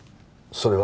それは？